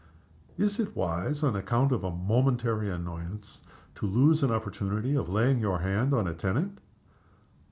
"Is it wise on account of a momentary annoyance to lose an opportunity of laying your hand on a tenant?"